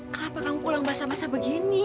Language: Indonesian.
kenapa kamu pulang basah basah begini